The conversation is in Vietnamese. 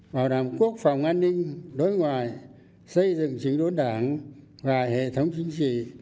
bảo đảm quốc phòng an ninh đối ngoài xây dựng chính đối đảng và hệ thống chính trị